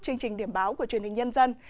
chương trình điểm báo của truyền hình nhân dân